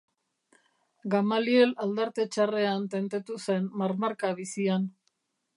Gamaliel aldarte txarrean tentetu zen, marmarka bizian.